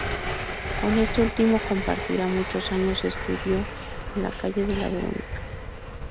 Con este último compartirá muchos años estudio en la calle de la Verónica.